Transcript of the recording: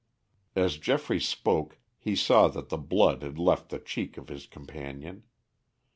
As Geoffrey spoke he saw that the blood had left the cheek of his companion.